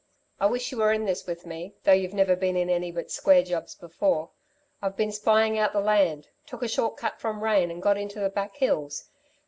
I wish you were in this with me though you've never been in any but square jobs before. I've been spying out the land took a short cut from Rane and got into the back hills.